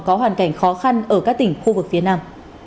có hoàn cảnh khó khăn ở các tỉnh khu vực phía nam